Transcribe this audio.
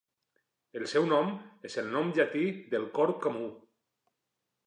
El seu nom és el nom llatí del corb comú.